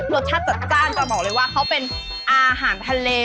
รสชาติจัดจ้านแต่บอกเลยว่าเขาเป็นอาหารทะเล